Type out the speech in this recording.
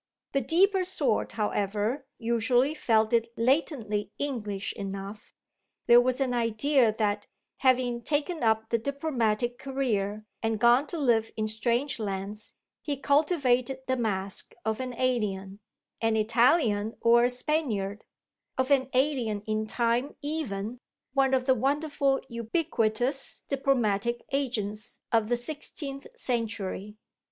The deeper sort, however, usually felt it latently English enough. There was an idea that, having taken up the diplomatic career and gone to live in strange lands, he cultivated the mask of an alien, an Italian or a Spaniard; of an alien in time even one of the wonderful ubiquitous diplomatic agents of the sixteenth century.